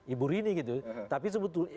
ibu rini gitu tapi sebetulnya